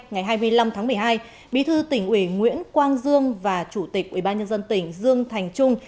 ngày hai mươi năm tháng một mươi hai bí thư tỉnh ủy nguyễn quang dương và chủ tịch ủy ban nhân dân tỉnh dương thành trung